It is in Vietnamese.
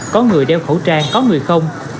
có người đeo khẩu trang có người không